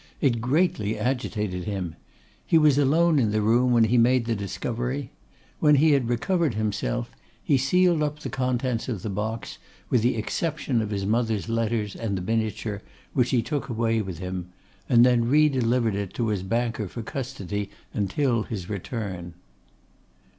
It greatly agitated him. He was alone in the room when he made the discovery. When he had recovered himself, he sealed up the contents of the box, with the exception of his mother's letters and the miniature, which he took away with him, and then re delivered it to his banker for custody until his return.